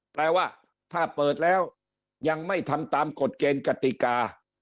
แปลว่าถ้าเปิดแล้วยังไม่ทำตามกฎเกณฑ์กติกา